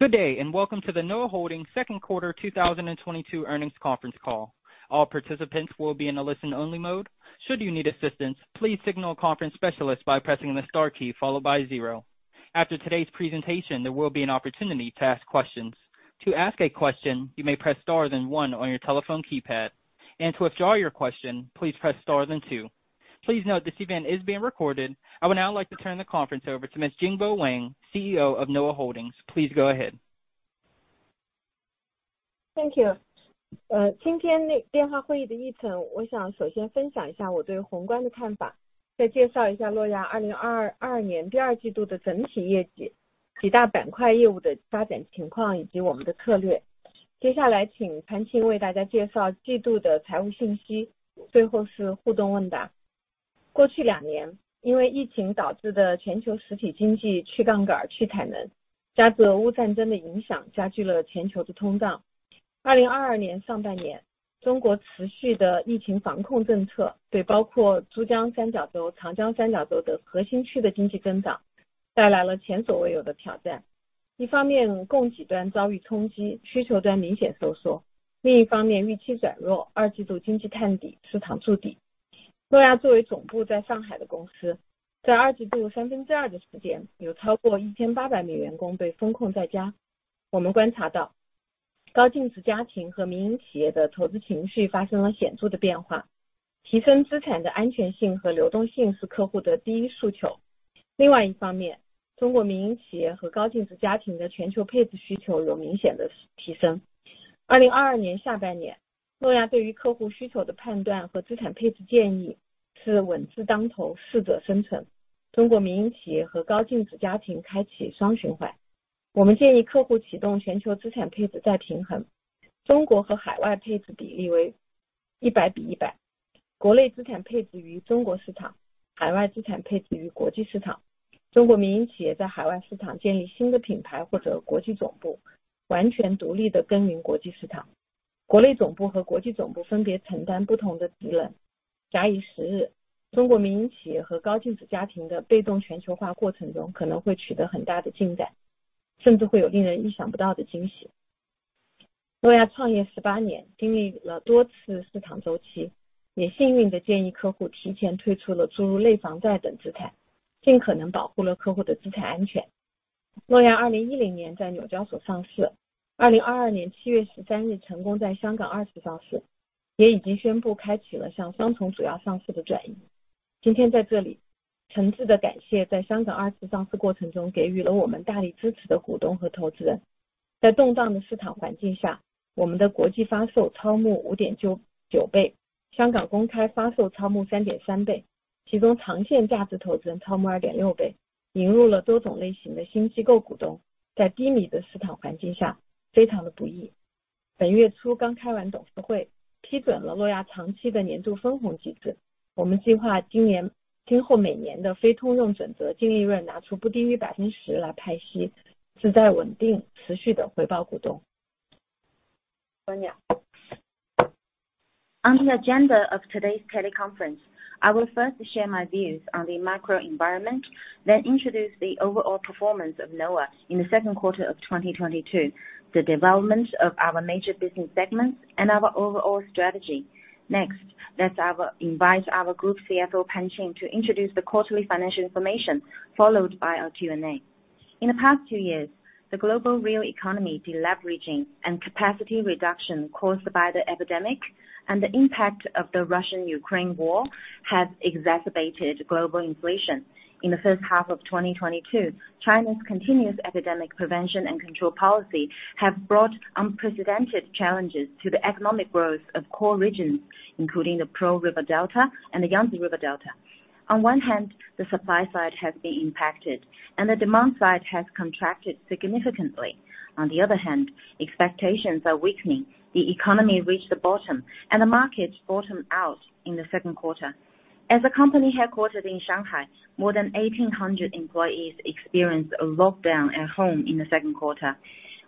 Good day, welcome to the Noah Holdings Second Quarter 2022 Earnings Conference Call. All participants will be in a listen only mode. Should you need assistance, please signal a conference specialist by pressing the star key followed by zero. After today's presentation, there will be an opportunity to ask questions. To ask a question, you may press star then one on your telephone keypad. To withdraw your question, please press star then two. Please note this event is being recorded. I would now like to turn the conference over to Ms. Jingbo Wang, CEO of Noah Holdings. Please go ahead. Thank you. I will first share my views on the macro environment, then introduce the overall performance of Noah in the second quarter of 2022, the development of our major business segments and our overall strategy. Next, let's invite our group CFO Pan Qing to introduce the quarterly financial information followed by our Q&A. In the past two years, the global real economy deleveraging and capacity reduction caused by the epidemic and the impact of the Russia-Ukraine war has exacerbated global inflation. In the first half of 2022, China's continuous epidemic prevention and control policy have brought unprecedented challenges to the economic growth of core regions, including the Pearl River Delta and the Yangtze River Delta. On one hand, the supply side has been impacted and the demand side has contracted significantly. On the other hand, expectations are weakening. The economy reached the bottom and the market bottomed out in the second quarter. As a company headquartered in Shanghai, more than 1,800 employees experienced a lockdown at home in the second quarter.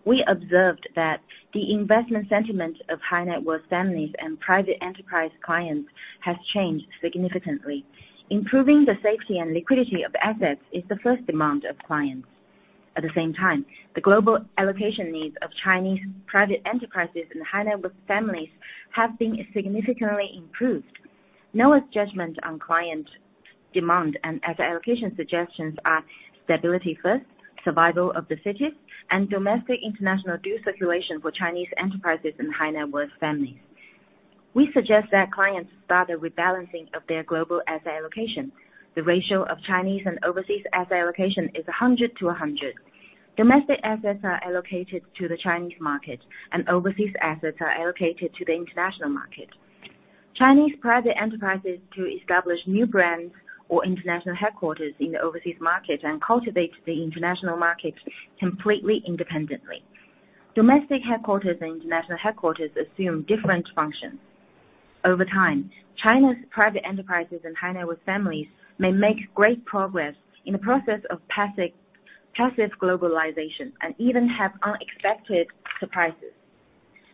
We observed that the investment sentiment of high net worth families and private enterprise clients has changed significantly. Improving the safety and liquidity of assets is the first demand of clients. At the same time, the global allocation needs of Chinese private enterprises and high net worth families have been significantly improved. Noah's judgments on client demand and asset allocation suggestions are stability first, survival of the fittest, and domestic international dual circulation for Chinese enterprises and high net worth families. We suggest that clients start a rebalancing of their global asset allocation. The ratio of Chinese and overseas asset allocation is 100-100. Domestic assets are allocated to the Chinese market and overseas assets are allocated to the international market. Chinese private enterprises to establish new brands or international headquarters in the overseas market and cultivate the international market completely independently. Domestic headquarters and international headquarters assume different functions. Over time, China's private enterprises and high net worth families may make great progress in the process of passive globalization and even have unexpected surprises.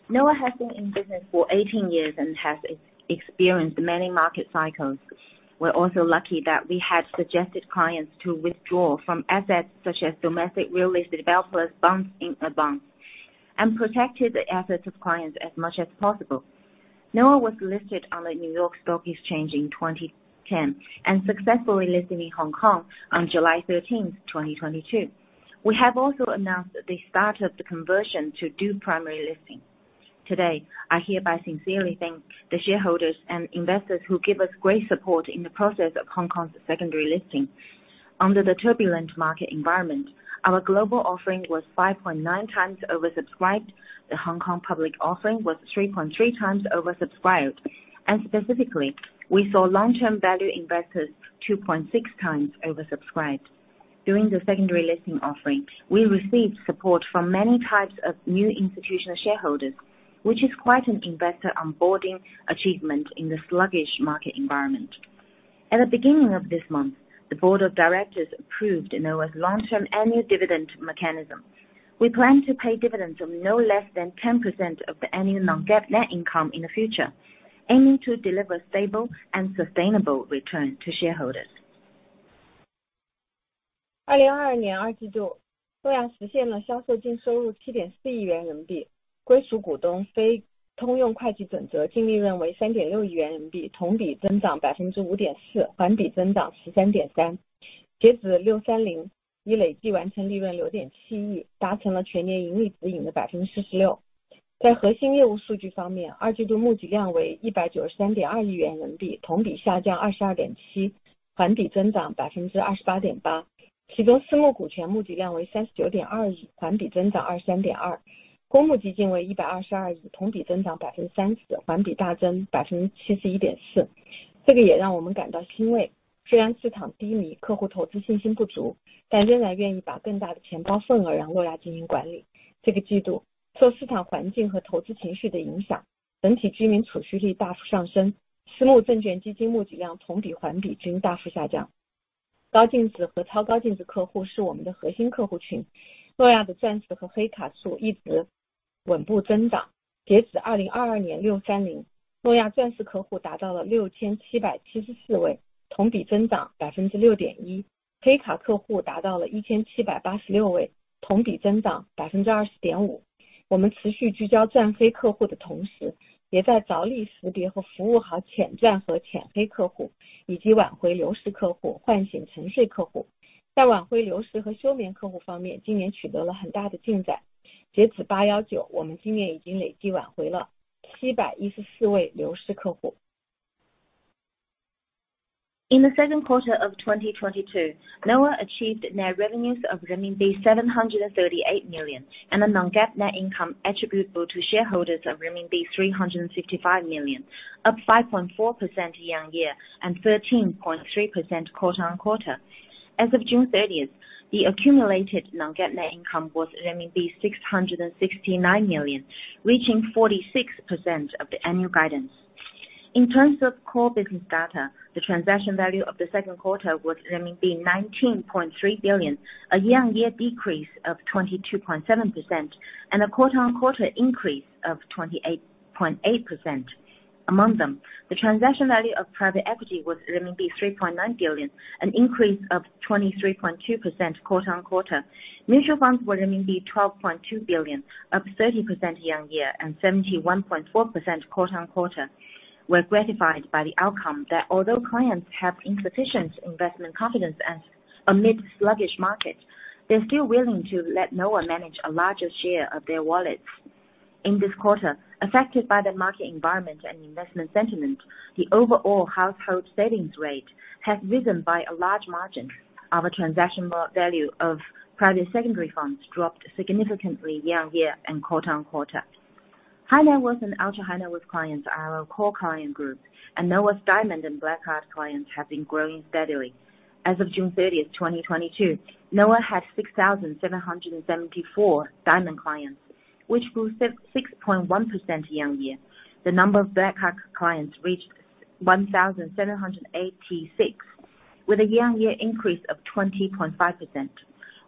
Noah has been in business for 18 years and has experienced many market cycles. We're also lucky that we have suggested clients to withdraw from assets such as domestic real estate developers, banks in advance, and protected the assets of clients as much as possible. Noah was listed on the New York Stock Exchange in 2010 and successfully listed in Hong Kong on July 13th, 2022. We have also announced the start of the conversion to dual primary listing. Today, I hereby sincerely thank the shareholders and investors who give us great support in the process of Hong Kong's secondary listing. Under the turbulent market environment, our global offering was 5.9 times oversubscribed. The Hong Kong public offering was 3.3 times oversubscribed. Specifically, we saw long-term value investors 2.6 times oversubscribed. During the secondary listing offering, we received support from many types of new institutional shareholders, which is quite an investor onboarding achievement in the sluggish market environment. At the beginning of this month, the board of directors approved Noah's long-term annual dividend mechanism. We plan to pay dividends of no less than 10% of the annual non-GAAP net income in the future, aiming to deliver stable and sustainable return to shareholders. Card数一直稳步增长。截止2022年6月30日，诺亚Diamond客户达到了6,774位，同比增长6.1%，Black Card客户达到了1,786位，同比增长20.5%。我们持续聚焦钻黑客户的同时，也在着力蝴蝶和服务好浅钻和浅黑客户，以及挽回流失客户，唤醒沉睡客户。在挽回流失和休眠客户方面今年取得了很大的进展。截止8月19日，我们今年已经累计挽回了714位流失客户。In the second quarter of 2022, Noah achieved net revenues of renminbi 738 million and a non-GAAP net income attributable to shareholders of renminbi 355 million, up 5.4% year-on-year and 13.3% quarter-on-quarter. As of June 30th, the accumulated non-GAAP net income was RMB 669 million, reaching 46% of the annual guidance. In terms of core business data, the transaction value of the second quarter was renminbi 19.3 billion, a year-on-year decrease of 22.7% and a quarter-on-quarter increase of 28.8%. Among them, the transaction value of private equity was RMB 3.9 billion, an increase of 23.2% quarter-on-quarter. Mutual funds were RMB 12.2 billion, up 30% year-on-year, and 71.4% quarter-on-quarter. We're gratified by the outcome that although clients have insufficient investment confidence amid sluggish markets, they're still willing to let Noah manage a larger share of their wallets. In this quarter, affected by the market environment and investment sentiment, the overall household savings rate has risen by a large margin. Our transaction value of private secondary funds dropped significantly year-on-year and quarter-on-quarter. High-net-worth and ultra-high-net-worth clients are our core client group, and Noah's Diamond and Black Card clients have been growing steadily. As of June 30th, 2022, Noah had 6,774 Diamond clients, which grew 6.1% year-on-year. The number of Black Card clients reached 1,786, with a year-on-year increase of 20.5%.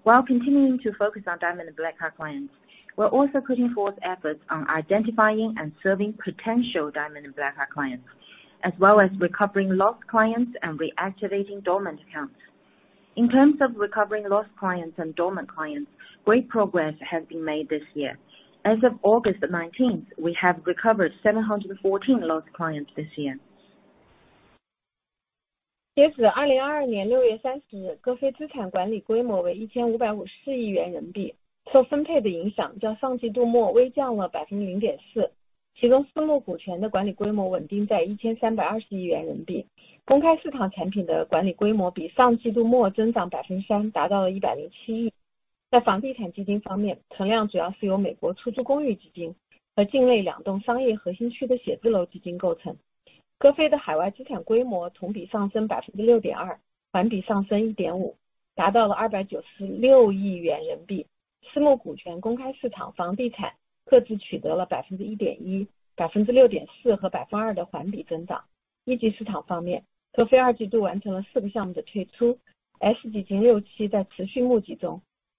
While continuing to focus on Diamond and Black Card clients, we're also putting forth efforts on identifying and serving potential Diamond and Black Card clients, as well as recovering lost clients and reactivating dormant accounts. In terms of recovering lost clients and dormant clients, great progress has been made this year. As of August 19th, we have recovered 714 lost clients this year. 截止2022年6月30日，歌斐资产管理规模为1,554亿元人民币，受分配的影响，较上季度末微降了0.4%。其中私募股权的管理规模稳定在1,320亿元人民币。公开市场产品的管理规模比上季度末增长3%，达到了107亿。在房地产基金方面，同样主要是由美国出租公寓基金和境内两栋商业核心区的写字楼基金构成。歌斐的海外资产规模同比上升6.2%，环比上升1.5%，达到了296亿元人民币。私募股权、公开市场、房地产各自取得了1.1%、6.4%和2%的环比增长。一级市场方面，歌斐二季度完成了四个项目的退出，S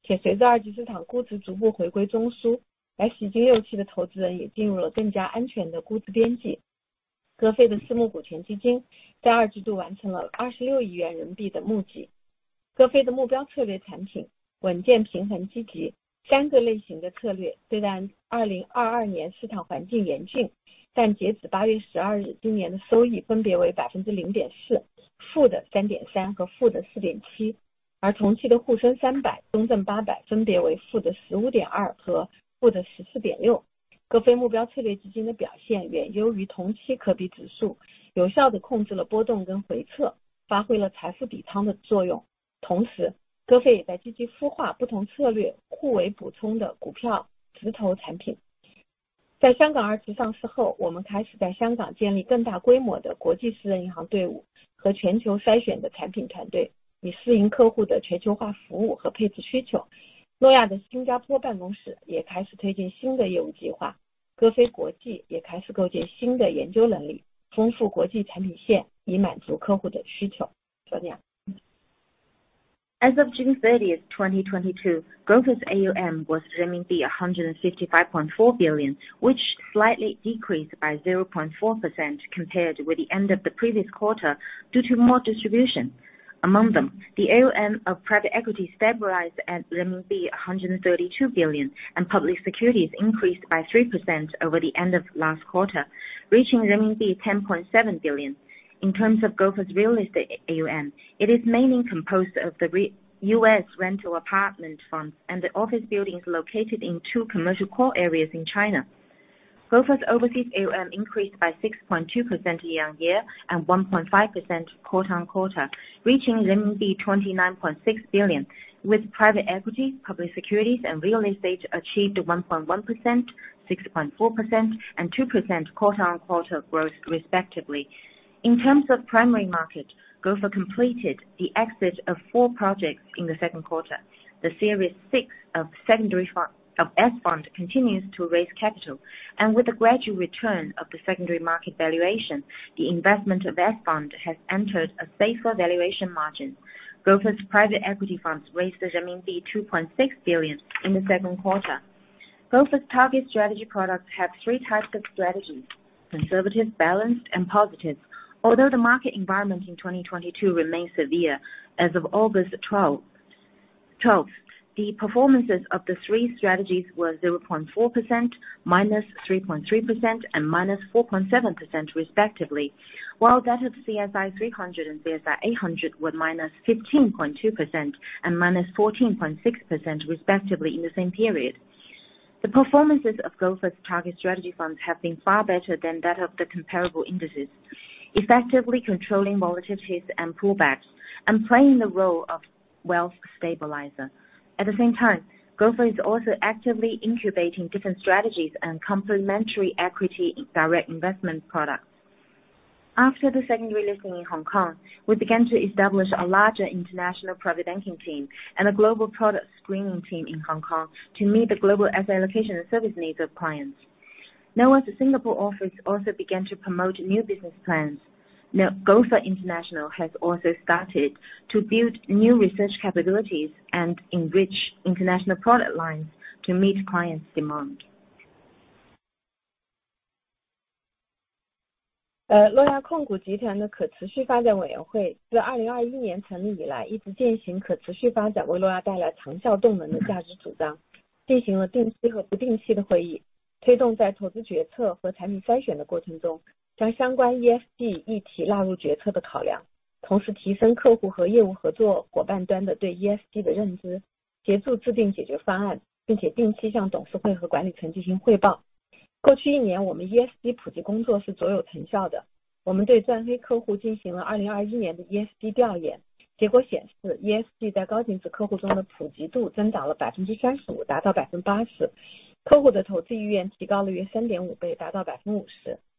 Fund六期在持续募集中，且随着二级市场估值逐步回归中枢，S Fund六期的投资人也进入了更加安全的估值边界。歌斐的私募股权基金在二季度完成了26亿元人民币的募集。歌斐的目标策略产品稳健、平衡、积极三个类型的策略，虽然2022年市场环境严峻，但截止8月12日，今年的收益分别为0.4%、负的3.3%和负的4.7%，而同期的沪深三百、中证八百分别为负的15.2%和负的14.6%。歌斐目标策略基金的表现远优于同期可比指数，有效地控制了波动跟回撤，发挥了财富抵仓的作用。同时，歌斐也在积极孵化不同策略互为补充的股票直投产品。在香港二级上市后，我们开始在香港建立更大规模的国际私人银行队伍和全球筛选的产品团队，以适应客户的全球化服务和配置需求。诺亚的新加坡办公室也开始推进新的业务计划。歌斐国际也开始构建新的研究能力，丰富国际产品线，以满足客户的需求。As of June 30th, 2022, Gopher's AUM was RMB 155.4 billion, which slightly decreased by 0.4% compared with the end of the previous quarter due to more distribution. Among them, the AUM of private equity stabilized at RMB 132 billion, and public securities increased by 3% over the end of last quarter, reaching RMB 10.7 billion. In terms of Gopher's real estate AUM, it is mainly composed of the U.S. rental apartment funds and the office buildings located in two commercial core areas in China. Gopher's overseas AUM increased by 6.2% year-on-year and 1.5% quarter-on-quarter, reaching RMB 29.6 billion, with private equity, public securities and real estate achieved 1.1%, 6.4%, and 2% quarter-on-quarter growth respectively. In terms of primary market, Gopher completed the exit of four projects in the second quarter. The S Fund VI of secondary fund of S Fund continues to raise capital and with the gradual return of the secondary market valuation, the investment of S Fund has entered a safer valuation margin. Gopher's private equity funds raised 2.6 billion in the second quarter. Gopher's target strategy products have three types of strategies, conservative, balanced and positive. Although the market environment in 2022 remains severe, as of August 12th, 2022, the performances of the three strategies were 0.4%, -3.3% and -4.7% respectively, while that of CSI300 and CSI800 were -15.2% and -14.6% respectively in the same period. The performances of Gopher's targeted strategy funds have been far better than that of the comparable indices, effectively controlling volatility and pullbacks and playing the role of wealth stabilizer. At the same time, Gopher is also actively incubating different strategies and complementary equity direct investment products. After the secondary listing in Hong Kong, we began to establish a larger international private banking team and a global product screening team in Hong Kong to meet the global asset allocation and service needs of clients. Now, our Singapore office also began to promote new business plans. Now, Gopher International has also started to build new research capabilities and enrich international product lines to meet clients' demand。诺亚控股集团的可持续发展委员会自2021年成立以来，一直践行可持续发展为诺亚带来长效动能的价值主张，进行了定期和不定期的会议，推动在投资决策和产品筛选的过程中将相关ESG议题纳入决策的考量，同时提升客户和业务合作伙伴端的对ESG的认知，协助制定解决方案，并且定期向董事会和管理层进行汇报。过去一年，我们ESG普及工作是卓有成效的。我们对钻黑客户进行了2021年的ESG调研，结果显示ESG在高净值客户中的普及度增长了35%，达到80%。客户的投资意愿提高了约3.5倍，达到50%。歌斐资产在今年五月给合作资产管理人发放了ESG问卷，结果显示头部资产管理人的ESG行为在过去一年更加凸显，绝大多数计划在未来一到三年提升ESG相关投资产品的比例。有超过70%的机构已经开始了实践。同时，我们不断地丰富着境内外ESG线上投资产品的专区，对理财师进行持续的ESG专项投资顾问培训，在国内外公众号中植入更多的ESG资讯和产品的信息。诺亚和歌斐资产责无旁贷，会继续发挥我们的圈层影响力，提升ESG产品的研发，提升集团的可持续运营。Since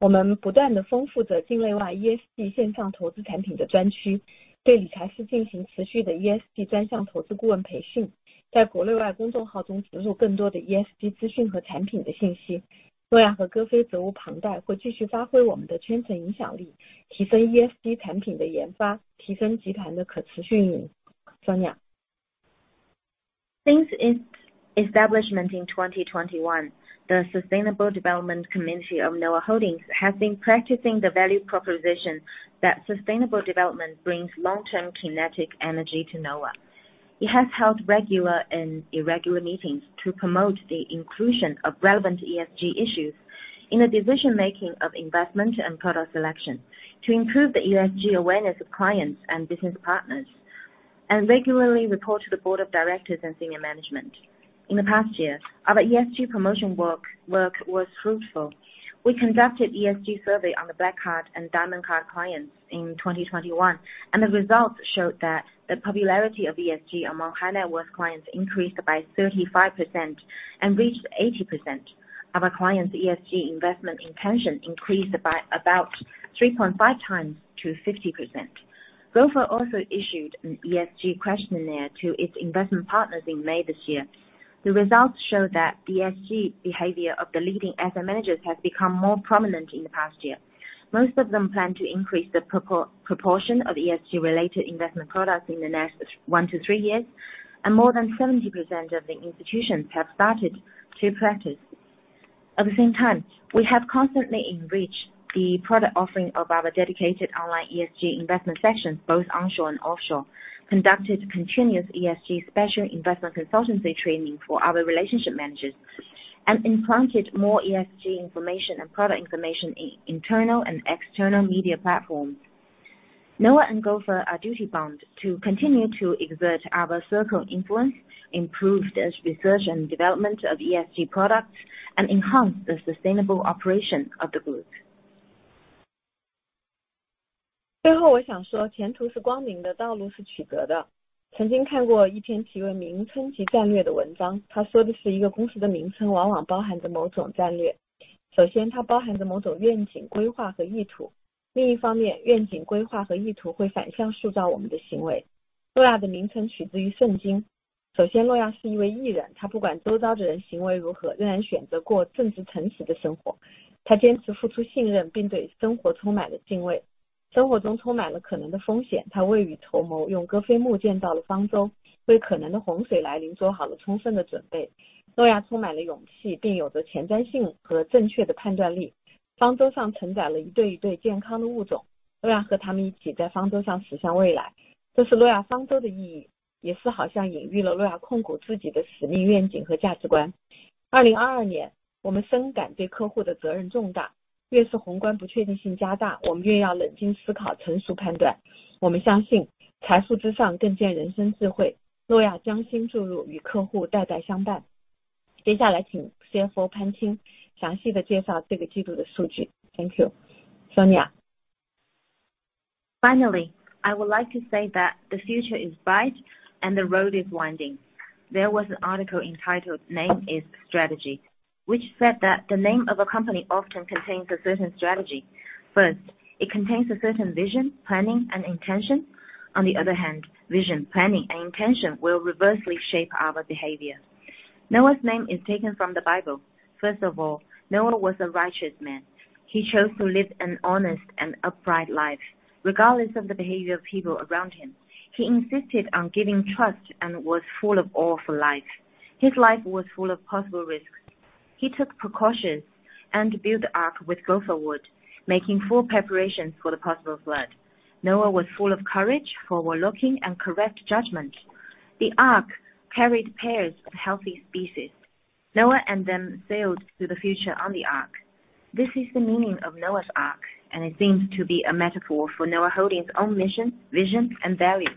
its establishment in 2021, the Sustainable Development Committee of Noah Holdings has been practicing the value proposition that sustainable development brings long-term kinetic energy to Noah. It has held regular and irregular meetings to promote the inclusion of relevant ESG issues in the decision-making of investment and product selection, to improve the ESG awareness of clients and business partners, and regularly report to the board of directors and senior management. In the past year, our ESG promotion work was fruitful. We conducted an ESG survey on the Black Card and Diamond Card clients in 2021, and the results showed that the popularity of ESG among high net worth clients increased by 35% and reached 80%. Our clients' ESG investment intention increased by about 3.5x to 50%. Gopher also issued an ESG questionnaire to its investment partners in May this year. The results show that ESG behavior of the leading asset managers has become more prominent in the past year. Most of them plan to increase the proportion of ESG related investment products in the next one to three years, and more than 70% of the institutions have started to practice. At the same time, we have constantly enriched the product offering of our dedicated online ESG investment sections, both onshore and offshore, conducted continuous ESG special investment consultancy training for our relationship managers and implanted more ESG information and product information in internal and external media platforms. Noah and Gopher are duty-bound to continue to exert our circle influence, improve this research and development of ESG products, and enhance the sustainable operation of the group. Thank you. Sonia. Finally, I would like to say that the future is bright and the road is winding. There was an article entitled Name is Strategy, which said that the name of a company often contains a certain strategy. First, it contains a certain vision, planning and intention. On the other hand, vision, planning, and intention will reversely shape our behavior. Noah's name is taken from the Bible. First of all, Noah was a righteous man. He chose to live an honest and upright life, regardless of the behavior of people around him. He insisted on giving trust and was full of awe for life. His life was full of possible risks. He took precautions and built the ark with gopher wood, making full preparations for the possible flood. Noah was full of courage, forward-looking, and correct judgment. The ark carried pairs of healthy species. Noah and them sailed to the future on the ark. This is the meaning of Noah's Ark, and it seems to be a metaphor for Noah Holdings' own mission, vision, and values.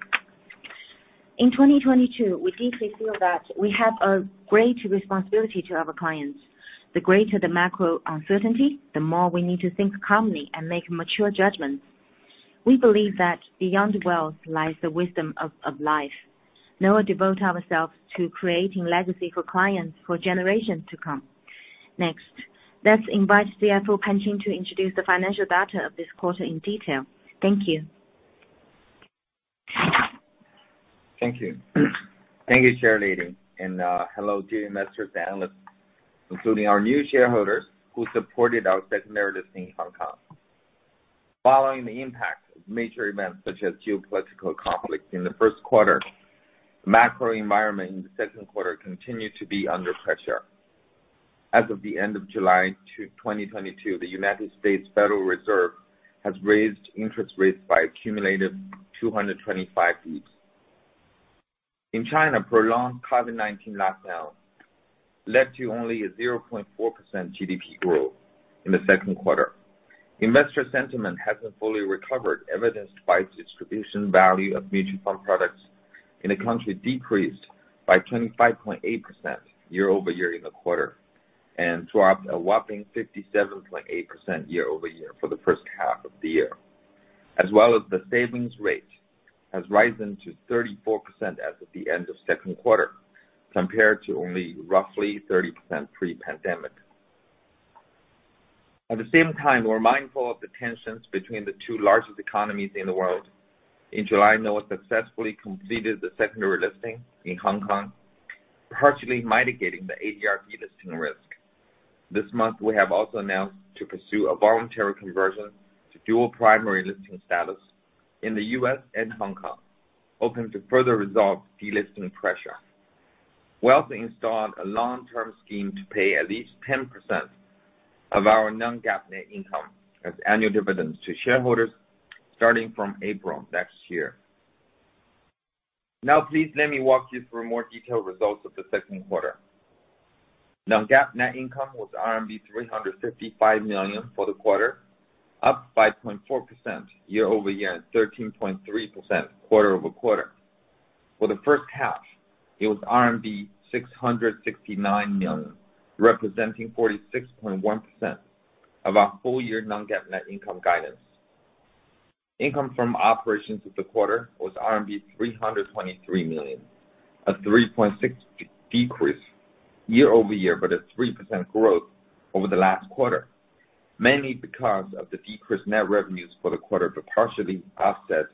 In 2022, we deeply feel that we have a great responsibility to our clients. The greater the macro uncertainty, the more we need to think calmly and make mature judgments. We believe that beyond wealth lies the wisdom of life. Noah devote ourselves to creating legacy for clients for generations to come. Next, let's invite CFO Pan Qing to introduce the financial data of this quarter in detail. Thank you. Thank you. Thank you, Chairlady. Hello dear investors and analysts, including our new shareholders who supported our secondary listing in Hong Kong. Following the impact of major events such as geopolitical conflicts in the first quarter, macro environment in the second quarter continued to be under pressure. As of the end of July 2022, the U.S. Federal Reserve has raised interest rates by accumulated 225 basis points. In China, prolonged COVID-19 lockdowns led to only a 0.4% GDP growth in the second quarter. Investor sentiment hasn't fully recovered, evidenced by distribution value of mutual fund products in the country decreased by 25.8% year-over-year in the quarter, and to a whopping 57.8% year-over-year for the first half of the year. As well as the savings rate has risen to 34% as of the end of second quarter, compared to only roughly 30% pre-pandemic. At the same time, we're mindful of the tensions between the two largest economies in the world. In July, Noah successfully completed the secondary listing in Hong Kong, partially mitigating the ADR delisting risk. This month, we have also announced to pursue a voluntary conversion to dual primary listing status in the U.S. and Hong Kong, hoping to further resolve delisting pressure. We also installed a long-term scheme to pay at least 10% of our non-GAAP net income as annual dividends to shareholders starting from April next year. Now please let me walk you through more detailed results of the second quarter. Non-GAAP net income was RMB 355 million for the quarter, up by 0.4% year-over-year, and 13.3% quarter-over-quarter. For the first half, it was RMB 669 million, representing 46.1% of our full year non-GAAP net income guidance. Income from operations of the quarter was RMB 323 million, a 3.6% decrease year-over-year, but a 3% growth over the last quarter, mainly because of the decreased net revenues for the quarter, but partially offset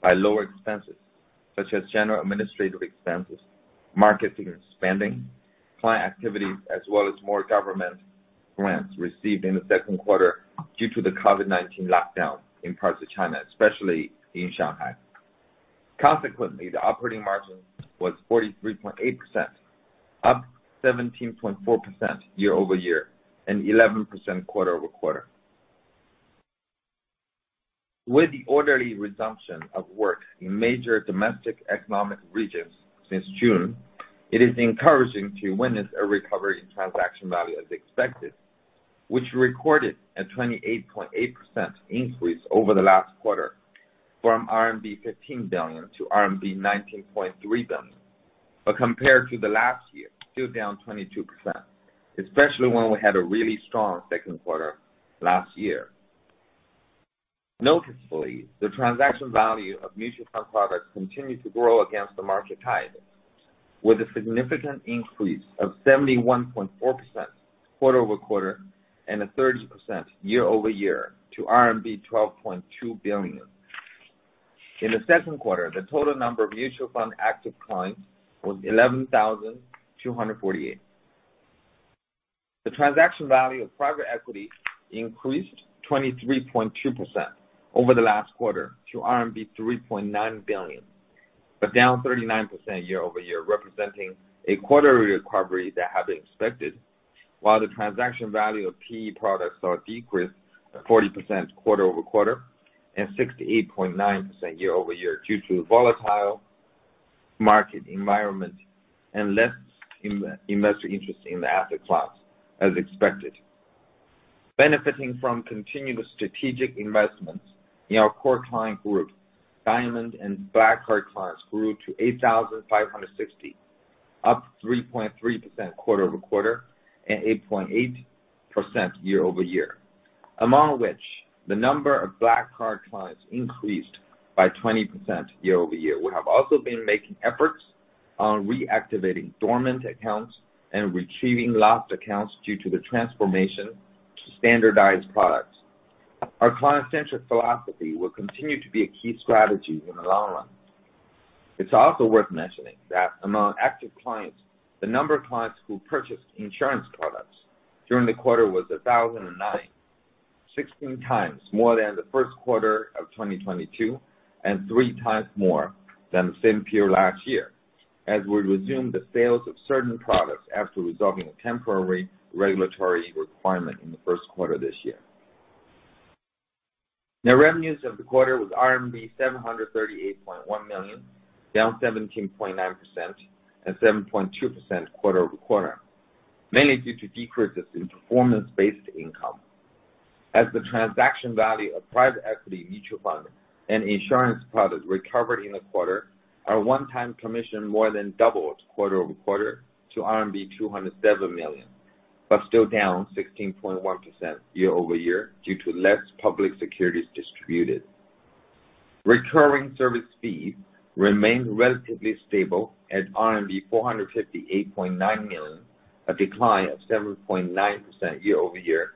by lower expenses such as general administrative expenses, marketing and spending, client activities, as well as more government grants received in the second quarter due to the COVID-19 lockdown in parts of China, especially in Shanghai. Consequently, the operating margin was 43.8%, up 17.4% year-over-year and 11% quarter-over-quarter. With the orderly resumption of work in major domestic economic regions since June, it is encouraging to witness a recovery in transaction value as expected, which recorded a 28.8% increase over the last quarter from RMB 15 billion to RMB 19.3 billion. Compared to the last year, still down 22%, especially when we had a really strong second quarter last year. Noticeably, the transaction value of mutual fund products continued to grow against the market tide, with a significant increase of 71.4% quarter-over-quarter and a 30% year-over-year to RMB 12.2 billion. In the second quarter, the total number of mutual fund active clients was 11,248. The transaction value of private equity increased 23.2% over the last quarter to RMB 3.9 billion, but down 39% year-over-year, representing a quarterly recovery that had been expected, while the transaction value of PE products saw a decrease of 40% quarter-over-quarter and 68.9% year-over-year due to the volatile market environment and less investor interest in the asset class as expected. Benefiting from continuous strategic investments in our core client group, Diamond and Black Card clients grew to 8,560, up 3.3% quarter-over-quarter and 8.8% year-over-year, among which the number of Black Card clients increased by 20% year-over-year. We have also been making efforts on reactivating dormant accounts and retrieving lost accounts due to the transformation to standardized products. Our client-centric philosophy will continue to be a key strategy in the long run. It's also worth mentioning that among active clients, the number of clients who purchased insurance products during the quarter was 1,009, 16x more than the first quarter of 2022, and 3x more than the same period last year, as we resumed the sales of certain products after resolving a temporary regulatory requirement in the first quarter this year. Net revenues of the quarter was RMB 738.1 million, down 17.9% and 7.2% quarter-over-quarter, mainly due to decreases in performance-based income. As the transaction value of private equity mutual fund and insurance products recovered in the quarter, our one-time commission more than doubled quarter-over-quarter to RMB 207 million, but still down 16.1% year-over-year due to less public securities distributed. Recurring service fees remained relatively stable at RMB 458.9 million, a decline of 7.9% year-over-year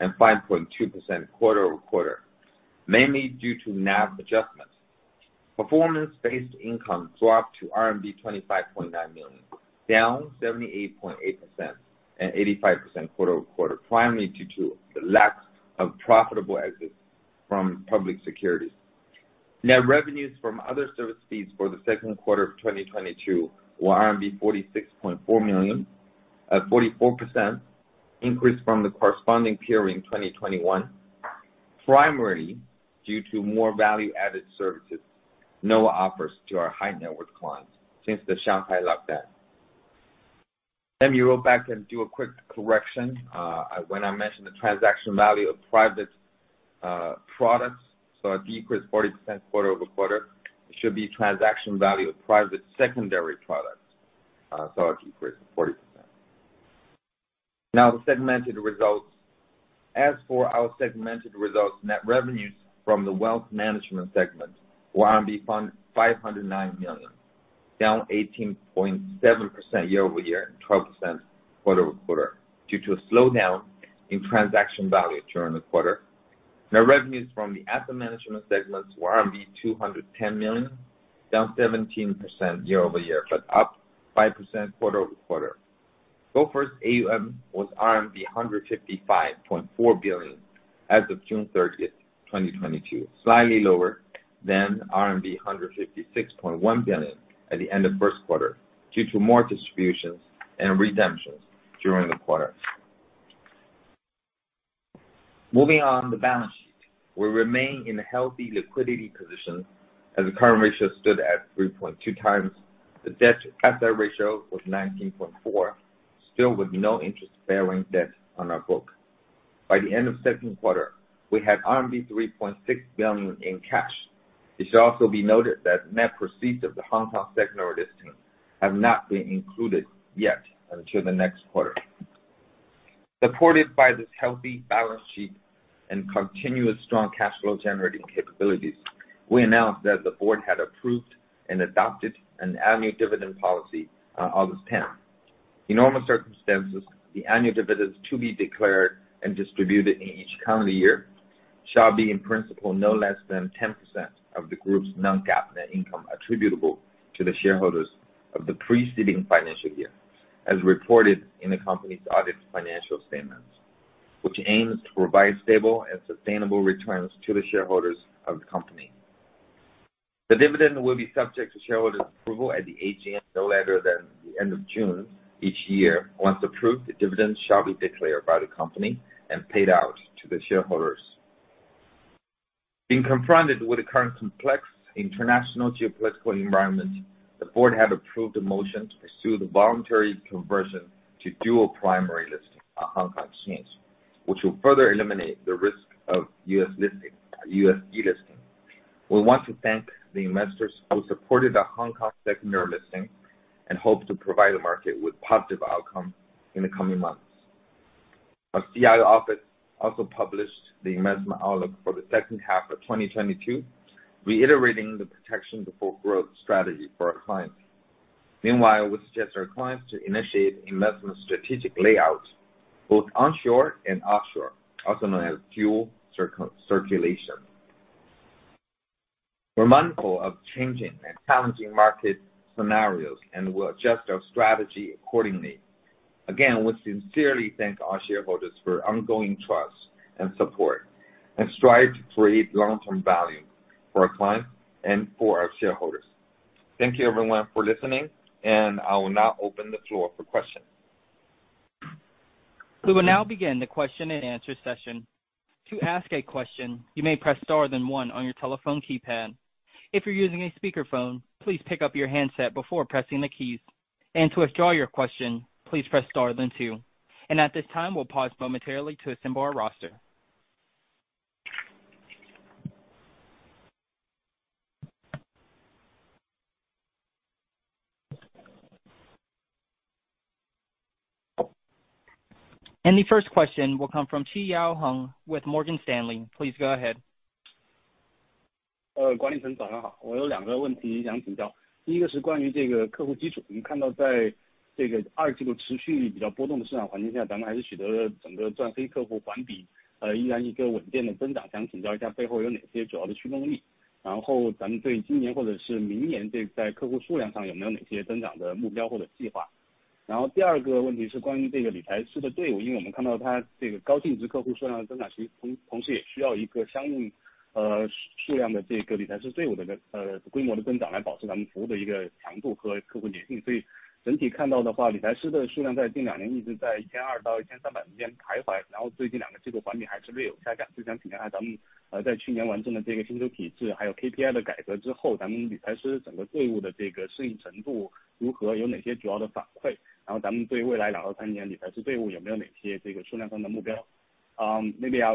and 5.2% quarter-over-quarter, mainly due to NAV adjustments. Performance-based income dropped to RMB 25.9 million, down 78.8% and 85% quarter-over-quarter, primarily due to the lack of profitable exits from public securities. Net revenues from other service fees for the second quarter of 2022 were RMB 46.4 million, a 44% increase from the corresponding period in 2021, primarily due to more value-added services Noah offers to our high-net-worth clients since the Shanghai lockdown. Let me roll back and do a quick correction. When I mentioned the transaction value of private products saw a decrease of 40% quarter-over-quarter, it should be transaction value of private secondary products saw a decrease of 40%. Now the segmented results. As for our segmented results, net revenues from the wealth management segment were 509 million, down 18.7% year-over-year and 12% quarter-over-quarter due to a slowdown in transaction value during the quarter. Net revenues from the asset management segments were RMB 210 million, down 17% year-over-year, but up 5% quarter-over-quarter. First, AUM was RMB 155.4 billion as of June 30th, 2022, slightly lower than RMB 156.1 billion at the end of first quarter due to more distributions and redemptions during the quarter. Moving on, the balance sheet. We remain in a healthy liquidity position as the current ratio stood at 3.2x. The debt-to-asset ratio was 19.4, still with no interest-bearing debt on our book. By the end of second quarter, we had RMB 3.6 billion in cash. It should also be noted that net proceeds of the Hong Kong secondary listing have not been included yet until the next quarter. Supported by this healthy balance sheet and continuous strong cash flow generating capabilities. We announced that the board had approved and adopted an annual dividend policy on August tenth. In normal circumstances, the annual dividends to be declared and distributed in each calendar year shall be, in principle, no less than 10% of the group's non-GAAP net income attributable to the shareholders of the preceding financial year as reported in the company's audited financial statements, which aims to provide stable and sustainable returns to the shareholders of the company. The dividend will be subject to shareholders' approval at the AGM no later than the end of June each year. Once approved, the dividend shall be declared by the company and paid out to the shareholders. Being confronted with the current complex international geopolitical environment, the board had approved a motion to pursue the voluntary conversion to dual primary listing on Hong Kong Exchange, which will further eliminate the risk of U.S. listing, U.S. delisting. We want to thank the investors who supported the Hong Kong secondary listing and hope to provide the market with positive outcome in the coming months. Our CIO office also published the investment outlook for the second half of 2022, reiterating the protection before growth strategy for our clients. Meanwhile, we suggest our clients to initiate investment strategic layouts both onshore and offshore, also known as dual circulation. We are mindful of changing and challenging market scenarios, and we'll adjust our strategy accordingly. Again, we sincerely thank our shareholders for ongoing trust and support, and strive to create long-term value for our clients and for our shareholders. Thank you everyone for listening, and I will now open the floor for questions. We will now begin the question and answer session. To ask a question, you may press star then one on your telephone keypad. If you're using a speakerphone, please pick up your handset before pressing the keys. To withdraw your question, please press star then two. At this time, we'll pause momentarily to assemble our roster. The first question will come from Yi Zhao with Morgan Stanley. Please go ahead. 管理层早上好，我有两个问题想请教。第一个是关于这个客户基础，我们看到在这个二季度持续比较波动的市场环境下，咱们还是取得了整个钻黑客户环比依然一个稳定的增长。想请教一下背后有哪些主要的驱动力？然后咱们对今年或者是明年，这个在客户数量上有没有哪些增长的目标或者计划？然后第二个问题是关于这个理财师的队伍，因为我们看到它这个高净值客户数量增长，其实同时也需要一个相应数量的这个理财师队伍的规模的增长来保持咱们服务的一个强度和客户粘性。所以整体看到的话，理财师的数量在近两年一直在一千二到一千三百人间徘徊，然后最近两个季度环比还是略有下降。就想请教下咱们在去年完成了这个薪酬体制，还有KPI的改革之后，咱们理财师整个队伍的这个适应程度如何，有哪些主要的反馈，然后咱们对未来两到三年理财师队伍有没有哪些这个数量上的目标。Maybe I'll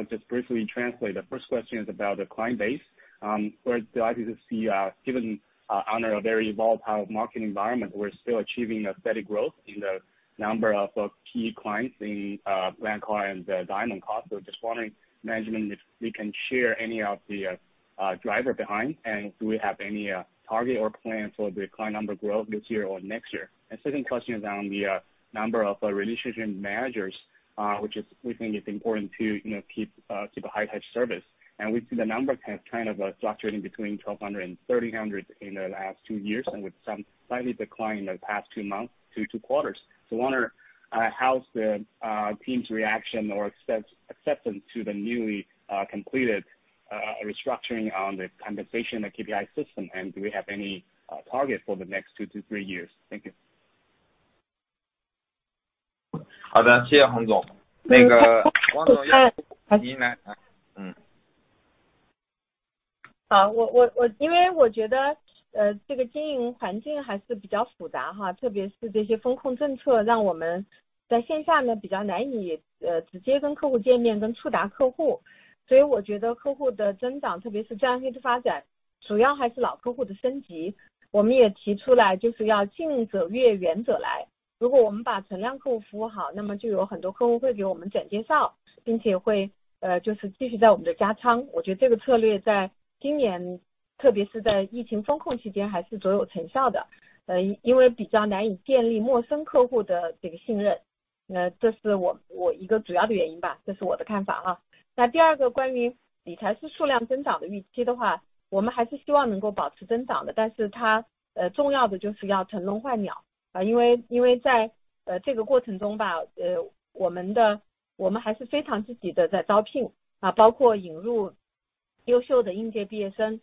just briefly translate. The first question is about the client base. We're delighted to see, given under a very volatile market environment, we're still achieving a steady growth in the number of key clients in Black Card and Diamond Card. Just wondering management if we can share any of the driver behind, and do we have any target or plan for the client number growth this year or next year? Second question is on the number of relationship managers, which is we think it's important to, you know, keep a high touch service. We see the numbers have kind of fluctuating between 1,200 and 1,300 in the last two years and with some slight decline in the past two months to two quarters. Wonder how's the team's reaction or acceptance to the newly completed restructuring on the compensation the KPI system, and do we have any target for the next two to three years? Thank you. 好的，谢谢洪总。那个王总要发言呢。Okay.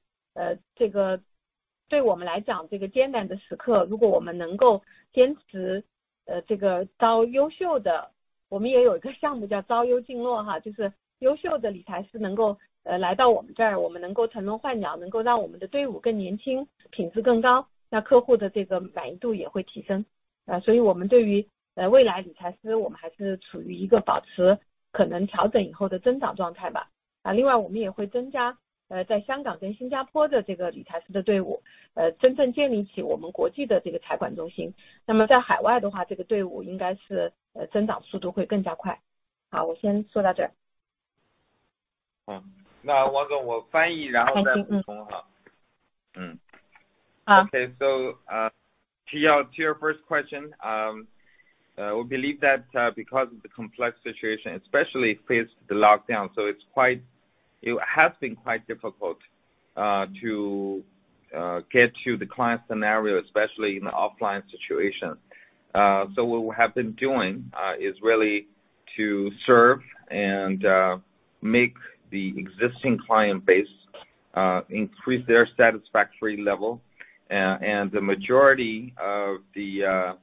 To your first question, we believe that because of the complex situation, especially faced the lockdown. It has been quite difficult to get to the client scenario, especially in the offline situation. What we have been doing is really to serve and make the existing client base increase their satisfactory level. The majority of the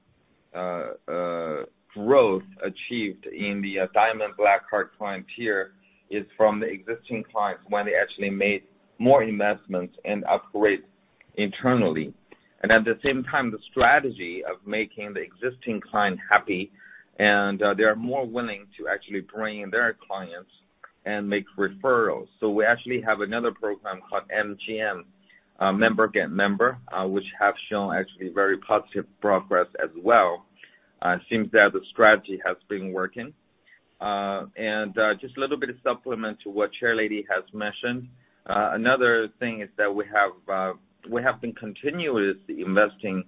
growth achieved in the Diamond Black Card client tier is from the existing clients when they actually made more investments and upgrade internally. At the same time, the strategy of making the existing client happy and they are more willing to actually bring their clients and make referrals. We actually have another program called MGM, Member Get Member, which have shown actually very positive progress as well. It seems that the strategy has been working. Just a little bit of supplement to what Chairlady has mentioned. Another thing is that we have been continuously investing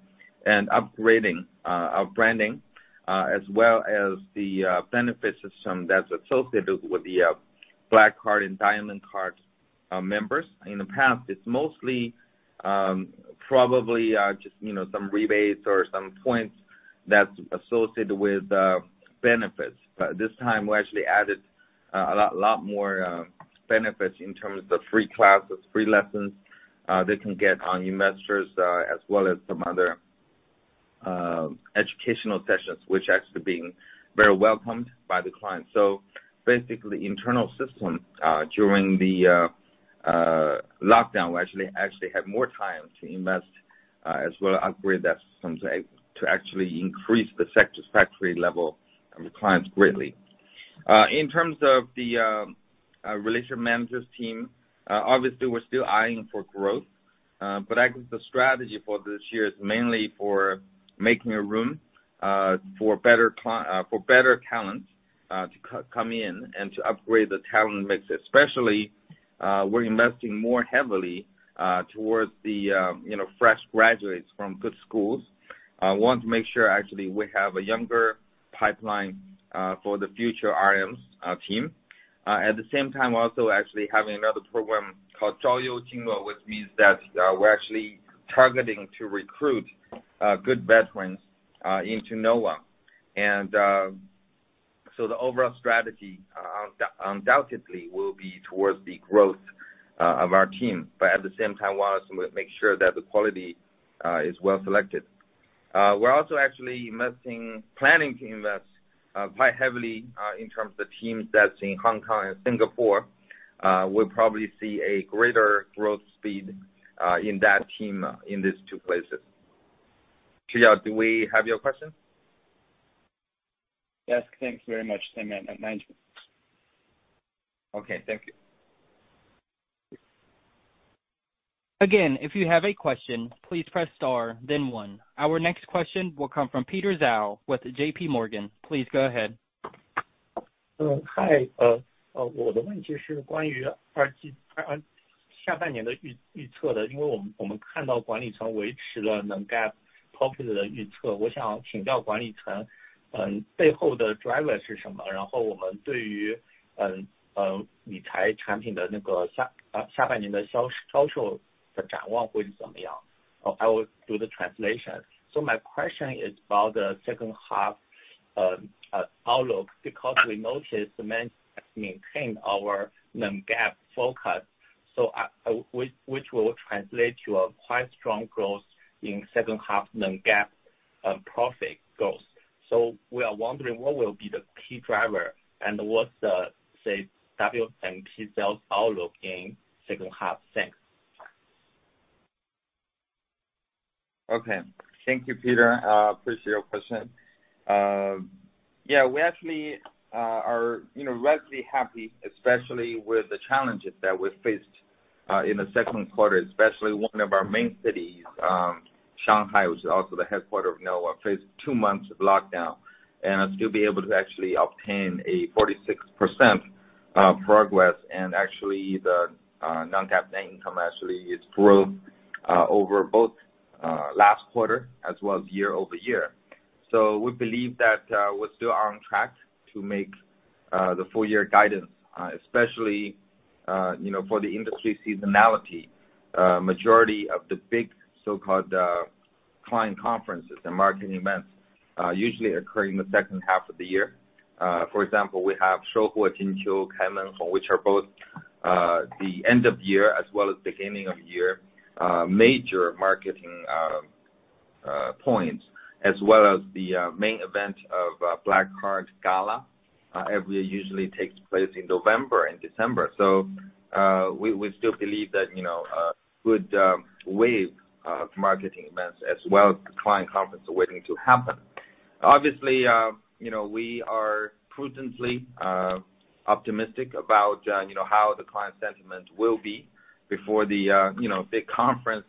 and upgrading our branding as well as the benefit system that's associated with the Black Card and Diamond Card members. In the past, it's mostly probably just, you know, some rebates or some points that's associated with benefits. This time we actually added a lot more benefits in terms of free classes, free lessons they can get in on investments as well as some other educational sessions which actually being very welcomed by the clients. Basically, internal system during the lockdown, we actually had more time to invest as well as upgrade that system to actually increase the satisfaction level of the clients greatly. In terms of the relationship managers team, obviously we're still eyeing for growth. I think the strategy for this year is mainly for making room for better talent to come in and to upgrade the talent mix, especially, we're investing more heavily towards you know, fresh graduates from good schools. Want to make sure actually we have a younger pipeline for the future RMs team. At the same time, we're also actually having another program called 招优进诺, which means that we're actually targeting to recruit good veterans into Noah. The overall strategy undoubtedly will be towards the growth of our team. At the same time, we also make sure that the quality is well selected. We're also actually planning to invest quite heavily in terms of teams that's in Hong Kong and Singapore. We'll probably see a greater growth speed in that team in these two places. Yi Zhao, do we have your question? Yes, thank you very much. Same here. Thank you. Okay. Thank you. Again, if you have a question, please press star then one. Our next question will come from Peter Zhang with JPMorgan. Please go ahead. Hi. I will do the translation. My question is about the second half outlook because we noticed the management maintained our non-GAAP focus. Which will translate to a quite strong growth in second half non-GAAP profit growth. We are wondering what will be the key driver and what's the, say, W and T sales outlook in second half. Thanks. Okay. Thank you, Peter. Appreciate your question. Yeah, we actually are, you know, relatively happy, especially with the challenges that we faced in the second quarter, especially one of our main cities, Shanghai, which is also the headquarters of Noah, faced two months of lockdown and still be able to actually obtain a 46% progress. Actually, the non-GAAP net income actually has grown over both last quarter as well as year-over-year. We believe that we still are on track to make the full year guidance, especially, you know, for the industry seasonality. Majority of the big so-called client conferences and marketing events usually occur in the second half of the year. For example, we have Diamond and Black Card, which are both the end of year as well as beginning of year major marketing points as well as the main event of Black Card Gala every year usually takes place in November and December. We still believe that, you know, good wave of marketing events as well as the client conference are waiting to happen. Obviously, you know, we are prudently optimistic about, you know, how the client sentiment will be before the, you know, big conference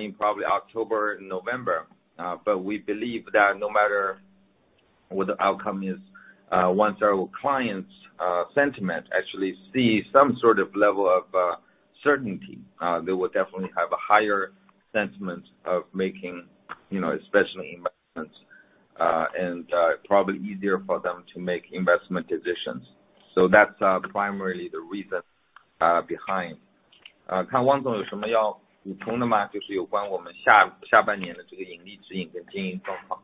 in probably October and November. We believe that no matter what the outcome is, once our clients sentiment actually see some sort of level of certainty, they will definitely have a higher sentiment of making, you know, especially investments, and probably easier for them to make investment decisions. That's primarily the reason behind. 看王总有什么要补充的吗？ 就是有关我们下半年这个盈利指引跟经营状况。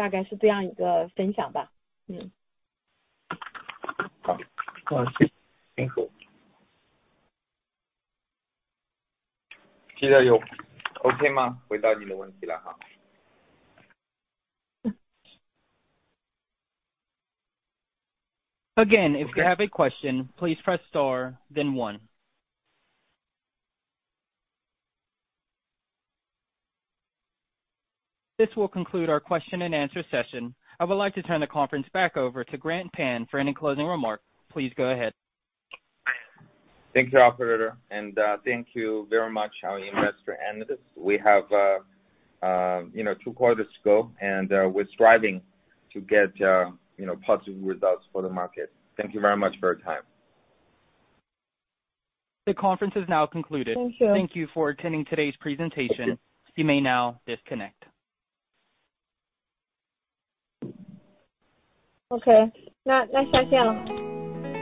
好，谢谢。现在有OK吗？回到你的问题了哈。Again, if you have a question, please press star then one. This will conclude our question and answer session. I would like to turn the conference back over to Qing Pan for any closing remarks. Please go ahead. Thank you operator, and thank you very much our investor analyst, we have, you know, two quarters to go, and we're striving to get, you know, positive results for the market. Thank you very much for your time. The conference is now concluded. Thank you. Thank you for attending today's presentation. You may now disconnect. OK，那下次再见。